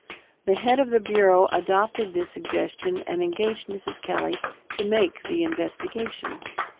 The head of the Bureau adopted this suggestion and engaged Mrs. Kelley to make the investigation.